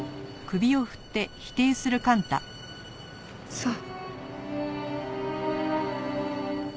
そう。